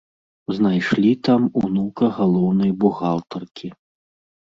Знайшлі там унука галоўнай бухгалтаркі.